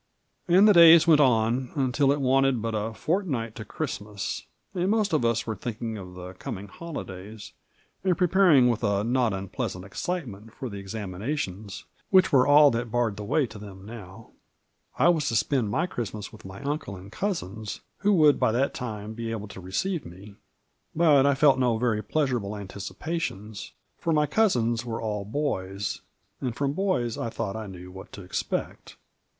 And the days went on, until it wanted but a fortnight to Christmas, and most of us were thinking of the com ing holidays, and preparing with a not unpleasant excite ment for the examinations, which were all that barred the way to them now. I was to spend my Christmas with my nncle and cousins, who would by that time be Digitized by VjOOQIC MARJORY. 97 able to receive me ; but I felt no veiy pleasurable antici pations, for my cousins were all boys, and from boys I thought I knew what to expect.